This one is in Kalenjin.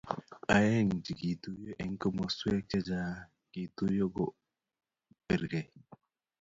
aeng chegituiyo eng komoswek chemagergei kingotuiyo kobirgei